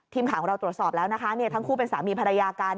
ทีมข่าวของเราตรวจสอบแล้วนะคะทั้งคู่เป็นสามีภรรยากัน